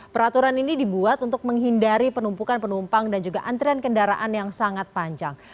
peraturan ini dibuat untuk menghindari penumpukan penumpang dan juga antrian kendaraan yang sangat panjang